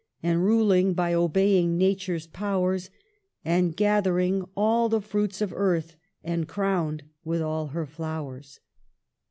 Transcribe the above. And ruling by obeying Nature's powers, And gathering all the fruits of earth and crowned with all her flowers.